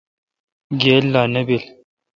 گیل لا نہ بیل۔